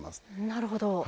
なるほど。